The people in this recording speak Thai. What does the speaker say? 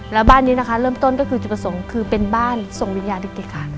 แล้วบ้านนี้นะคะเริ่มต้นก็คือจุดประสงค์คือเป็นบ้านส่งวิญญาณเด็กค่ะ